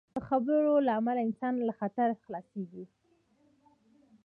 د خبرو له امله انسان له خطر خلاصېږي.